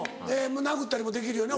殴ったりもできるよね